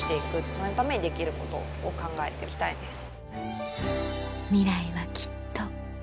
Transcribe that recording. そのためにできることを考えて行きたいです。